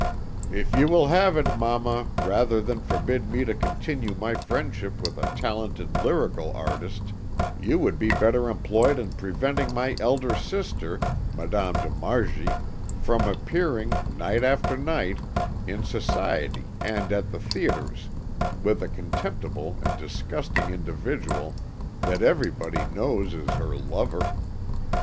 "If you will have it, mamma, rather than forbid me to continue my friendship with a talented lyrical artist, you would be better employed in preventing my elder sister, Madame de Margy, from appearing, night after night, in society and at the theatres with a contemptible and disgusting individual that everybody knows is her lover.